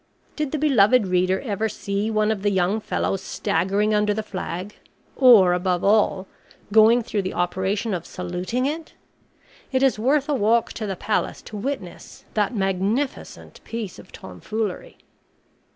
Did the beloved reader ever see one of the young fellows staggering under the flag, or, above all, going through the operation of saluting it? It is worth a walk to the Palace to witness that magnificent piece of tomfoolery.